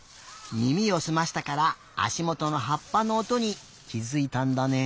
みみをすましたからあしもとのはっぱのおとにきづいたんだね。